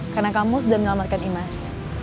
karena kamu sudah menyelamatkan imas